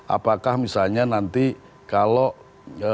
apakah misalnya nanti kalau mas gibran dicalon ke pdi perjuangan